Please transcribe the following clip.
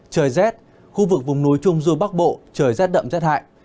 trời rét khu vực vùng núi trung du bắc bộ trời rét đậm rét hại